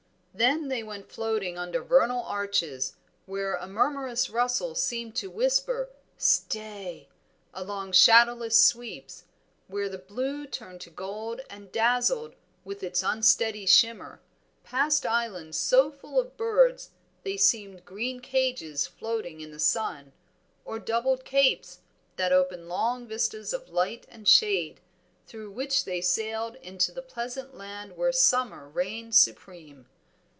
Then they went floating under vernal arches, where a murmurous rustle seemed to whisper, "Stay!" along shadowless sweeps, where the blue turned to gold and dazzled with its unsteady shimmer; passed islands so full of birds they seemed green cages floating in the sun, or doubled capes that opened long vistas of light and shade, through which they sailed into the pleasant land where summer reigned supreme.